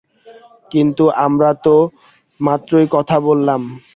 কিন্তু আমরা তো মাত্রই কথা বললাম।